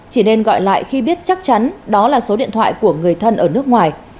chỉ nên gọi lại khi biết chắc chắn đó là số điện thoại của người thân ở nước ngoài